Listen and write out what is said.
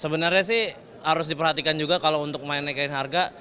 sebenarnya sih harus diperhatikan juga kalau untuk naikkan harga